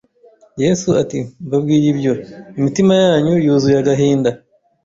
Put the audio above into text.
Yesu ati’’ mbabwiye ibyo, imitima yanyu yuzuye agahinda.